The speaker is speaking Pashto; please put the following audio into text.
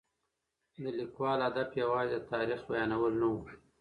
د لیکوال هدف یوازې د تاریخ بیانول نه و.